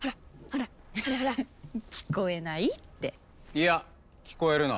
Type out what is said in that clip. いや聞こえるな。